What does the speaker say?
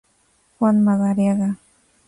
Juan Madariaga".